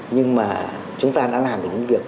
nhưng mà chúng ta đã làm được những việc